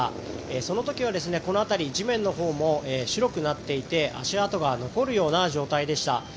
その時は、この辺り地面のほうも白くなっていて足跡が残るような状態でした。